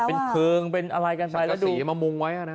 เป็นผึงเป็นอะไรกันไป